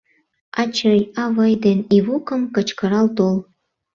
Ачый, авый ден Ивукым кычкырал тол.